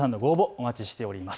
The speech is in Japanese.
お待ちしています。